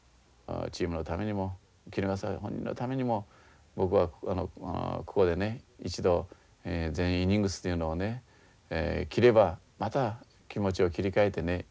チームのためにも衣笠本人のためにも僕はここでね一度全イニングというのをね切ればまた気持ちを切り替えてね